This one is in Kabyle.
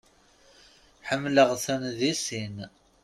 Ḥemmleɣ-ten di sin.